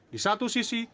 di satu sisi